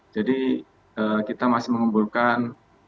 jadi kita masih memburukkan